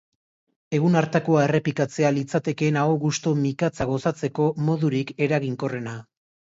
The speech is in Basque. Egun hartakoa errepikatzea litzatekeen aho gusto mikatza gozatzeko modurik eraginkorrena.